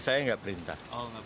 saya nggak perintah